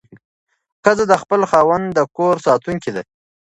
ښځه د خپل خاوند د کور ساتونکې ده.